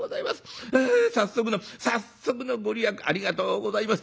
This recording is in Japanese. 早速の早速の御利益ありがとうございます。